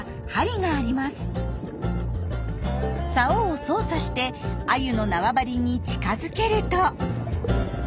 竿を操作してアユの縄張りに近づけると。